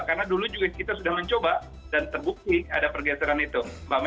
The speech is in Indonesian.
karena dulu juga kita sudah mencoba dan terbukti ada pergeseran itu